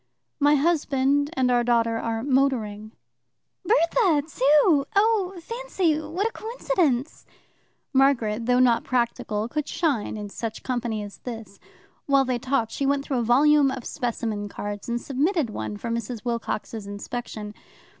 "My husband and our daughter are motoring." "Bertha too? Oh, fancy, what a coincidence!" Margaret, though not practical, could shine in such company as this. While they talked, she went through a volume of specimen cards, and submitted one for Mrs. Wilcox's inspection.